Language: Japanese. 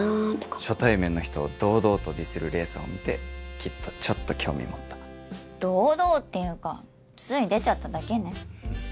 初対面の人を堂々とディスる黎さんを見てきっとちょっと興味持った堂々っていうかつい出ちゃっただけね